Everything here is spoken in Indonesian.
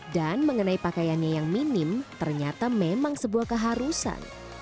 dan mengenai pakaiannya yang minim ternyata memang sebuah keharusan